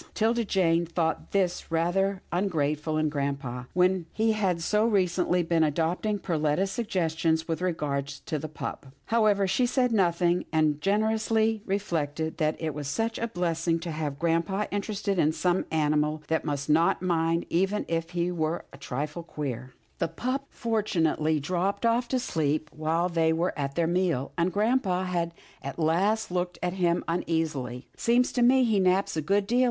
'Tilda Jane thought this rather ungrateful in grampa, when he had so recently been adopting Perletta's suggestions with regard to the pup ; how ever she said nothing, and generously reflected that it was such a blessing to have grampa interested in some animal that they must not mind even if he were a trifle queer. THE MONEYED PUP 115 The pup fortunately dropped off to sleep while they were at their meal, and grampa at last looked at him uneasily. "Seems to me he naps a good deal.